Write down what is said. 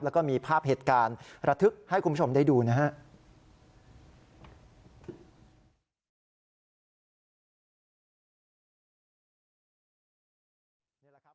แล้วก็มีภาพเหตุการณ์ระทึกให้คุณผู้ชมได้ดูนะครับ